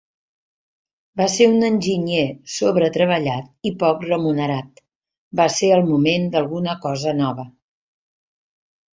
Va ser una enginyer sobre-treballat i poc remunerat, va ser el moment d'alguna cosa nova.